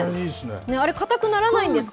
あれ、硬くならないんですか。